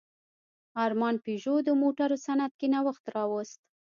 ارمان پيژو د موټرو صنعت کې نوښت راوست.